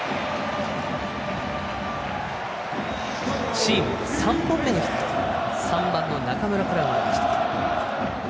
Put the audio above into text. チーム、３本目のヒット３番の中村から生まれました。